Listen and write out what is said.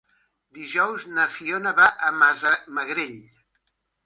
Dijous na Fiona va a Massamagrell.